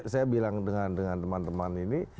saya bilang dengan teman teman ini